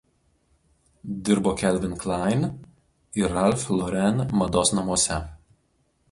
Dirbo „Calvin Klein“ ir „Ralph Lauren“ mados namuose.